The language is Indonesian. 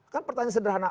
kan pertanyaan sederhana